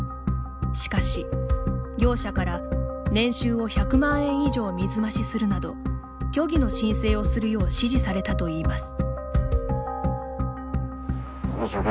しかし、業者から年収を１００万円以上水増しするなど虚偽の申請をするよう指示されたといいます。